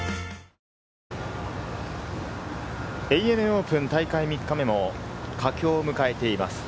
ＡＮＡオープン大会３日目も佳境を迎えています。